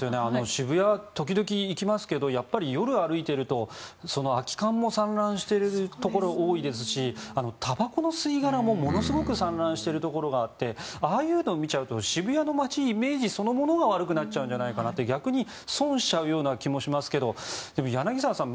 渋谷、時々行きますけど夜歩いていると、空き缶も散乱しているところが多いですしたばこの吸い殻もものすごく散乱しているところがあってああいうのを見ちゃうと渋谷の街のイメージそのものが悪くなるんじゃないかって逆に損しちゃうような気もしますけどでも、柳澤さん